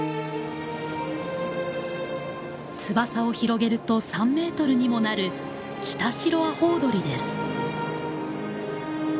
翼を広げると３メートルにもなるキタシロアホウドリです。